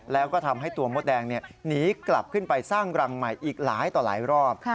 แล้วก็ทำให้ตัวมดแดงหนีกลับขึ้นไปสร้างรังใหม่อีกหลายต่อหลายรอบ